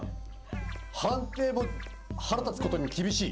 判定も、腹立つことに厳しい。